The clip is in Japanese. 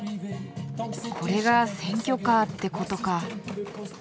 これが選挙カーってことか。